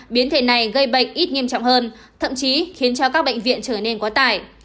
biến thể này gây bệnh ít nghiêm trọng hơn thậm chí khiến cho các bệnh viện trở nên quá tải